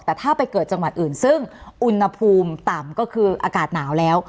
แต่ถ้าไปเกิดจังหวัดอื่นซึ่งอุณหภูมิต่ำก็คืออากาศหนาวแล้ว